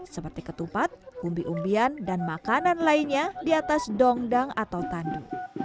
seperti ketupat umbi umbian dan makanan lainnya di atas dongdang atau tandu